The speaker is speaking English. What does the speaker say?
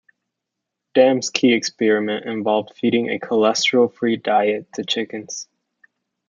Dam's key experiment involved feeding a cholesterol-free diet to chickens.